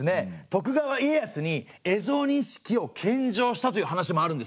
徳川家康に蝦夷錦を献上したという話もあるんですね。